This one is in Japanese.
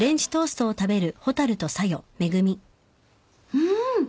うん。